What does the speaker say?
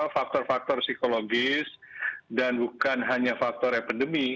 faktor faktor psikologis dan bukan hanya faktor epidemi